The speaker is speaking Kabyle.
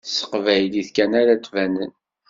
S teqbaylit kan ara ad banen.